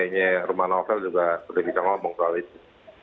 hanya rumah novel juga sudah bisa ngomong soal itu